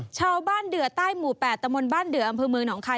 ชาวบ้านเดือใต้หมู่๘ตะมนต์บ้านเดืออำเภอเมืองหนองคาย